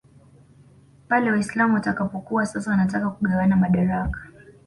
pale Waislam watakapokuwa sasa wanataka kugawana madaraka